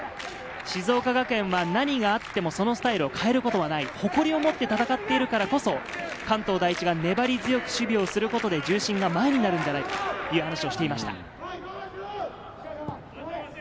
静岡学園は何があってもそのスタイルを変えることはない、誇りを持って戦っているからこそ、関東第一が粘り強く守備をすることで重心が前になるんじゃないかという話をしていました。